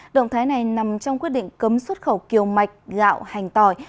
động thái này nằm trong quyết định cấm xuất khẩu kiều mạch gạo hành tỏi